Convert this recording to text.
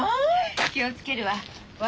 気を付けるわ。